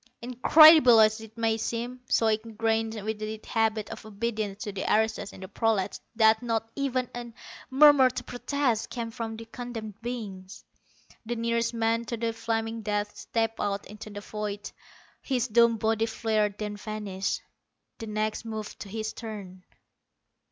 Incredible as it may seem, so ingrained was the habit of obedience to the aristos in the prolats that not even a murmur of protest came from the condemned beings. The nearest man to the flaming death stepped out into the void. His doomed body flared, then vanished. The next moved to his turn.